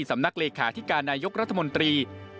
สำนักเลขาธิการนายกรัฐมนตรี